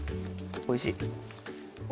おいしい？